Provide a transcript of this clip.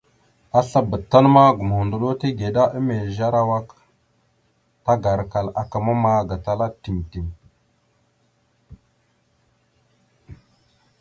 Aslabá tan ma gomohəndoɗo tigəɗá emez arawak aak, tagarakal aka mamma gatala tiŋ tiŋ.